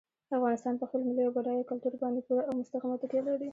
افغانستان په خپل ملي او بډایه کلتور باندې پوره او مستقیمه تکیه لري.